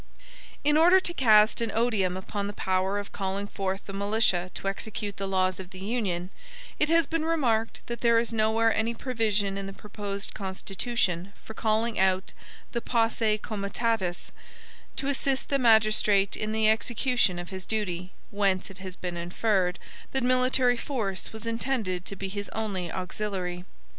In order to cast an odium upon the power of calling forth the militia to execute the laws of the Union, it has been remarked that there is nowhere any provision in the proposed Constitution for calling out the POSSE COMITATUS, to assist the magistrate in the execution of his duty, whence it has been inferred, that military force was intended to be his only auxiliary.